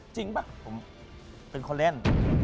ป่ะผมเป็นคนเล่น